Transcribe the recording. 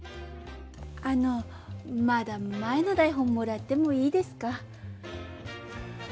あのまだ前の台本もらってもいいですか？